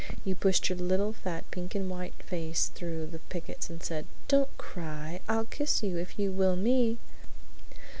You pushed your little fat pink and white face through the pickets and said: Don't cry! I'll kiss you if you will me!'"